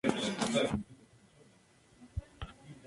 La sierra de Bahoruco es rica en minerales.